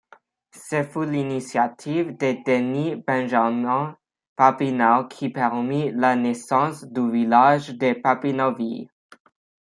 Ce fut l'initiative de Denis-Benjamin Papineau qui permit la naissance du village de Papineauville.